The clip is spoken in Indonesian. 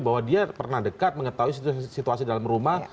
bahwa dia pernah dekat mengetahui situasi dalam rumah